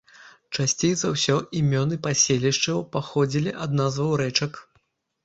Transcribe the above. Часцей за ўсё імёны паселішчаў паходзілі ад назваў рэчак.